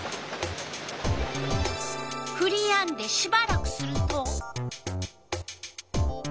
ふりやんでしばらくすると。